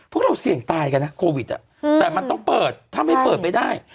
พวกเราเสี่ยงตายกันนะโควิดแต่มันต้องเปิดถ้าไม่เปิดไม่ได้